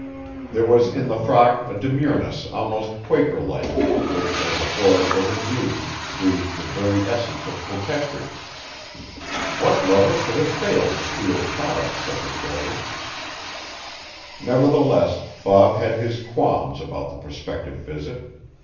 There was in the frock a demureness almost Quaker like which as a foil for her beauty breathed the very essence of coquetry. What lover could have failed to feel proud of such a treasure? Nevertheless, Bob had his qualms about the prospective visit.